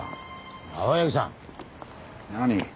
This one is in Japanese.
何？